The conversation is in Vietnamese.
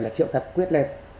là triệu tập quyết lên